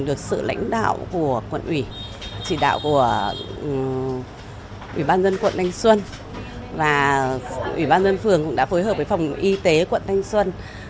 được sự lãnh đạo của quận ủy chỉ đạo của ủy ban dân quận thanh xuân và ủy ban dân phường cũng đã phối hợp với phòng y tế quận thanh xuân